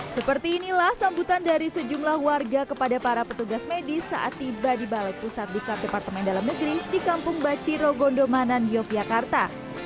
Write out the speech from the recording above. seperti inilah sambutan dari sejumlah warga kepada para petugas medis saat tiba di balai pusat diklat departemen dalam negeri di kampung bacirogondomanan yogyakarta